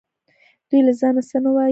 دوی له ځانه څه نه وايي